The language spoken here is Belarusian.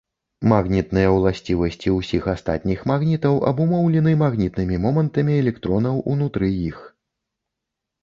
Магнітныя ўласцівасці ўсіх астатніх магнітаў абумоўлены магнітнымі момантамі электронаў унутры іх.